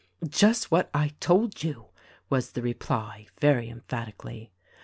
"Just what I told you," was the reply — very emphat ically.